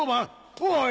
おい！